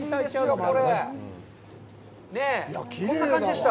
こんな感じでした。